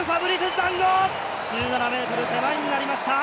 １７ｍ手前になりました、